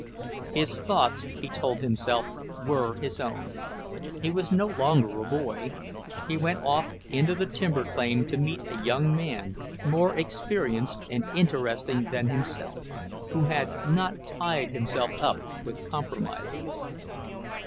His thoughts, he told himself, were his own. He was no longer a boy. He went off into the timber claim to meet a young man more experienced and interesting than himself, who had not tied himself up with compromises.